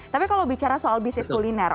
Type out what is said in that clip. tapi kalau bicara soal bisnis kuliner